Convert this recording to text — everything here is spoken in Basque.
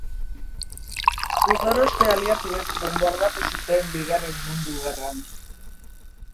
Gudaroste aliatuek bonbardatu zuten Bigarren Mundu Gerran.